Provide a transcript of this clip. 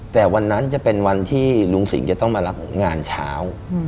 แต่วันนั้นจะเป็นวันที่ลุงสิงห์จะต้องมารับงานเช้า